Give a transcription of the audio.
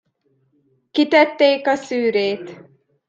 Kitették a szűrét.